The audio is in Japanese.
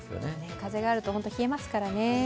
風があると本当に冷えますからね。